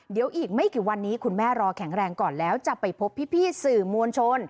เดี๋ยวอีกไม่กี่วันนี้คุณแม่รอแข็งแรงก่อนแล้วจะไปพบพี่สื่อมวลชน